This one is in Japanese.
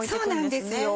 そうなんですよ